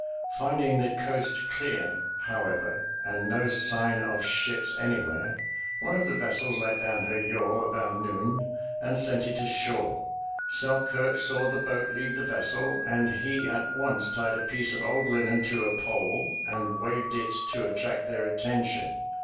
Finding the coast clear, however, and no sign of ships anywhere, one of the vessels let down her yawl about noon and sent it ashore. Selkirk saw the boat leave the vessel and he at once tied a piece of old linen to a pole and waved it to attract their attention.